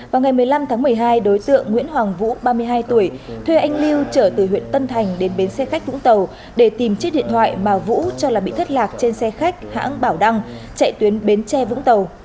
vào ngày một mươi năm tháng một mươi hai đối tượng nguyễn hoàng vũ ba mươi hai tuổi thuê anh lưu trở từ huyện tân thành đến bến xe khách vũng tàu để tìm chiếc điện thoại mà vũ cho là bị thất lạc trên xe khách hãng bảo đăng chạy tuyến bến tre vũng tàu